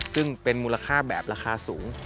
ซึ่งเป็นมูลค่าแบบราคาสูง